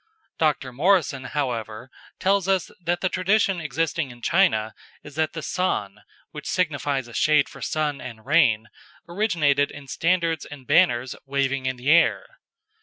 Dr. Morrison, however, tells us that the tradition existing in China is, that the San, which signifies a shade for sun and rain, originated in standards and banners waving in the air.